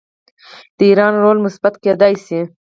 د ایران رول مثبت کیدی شي.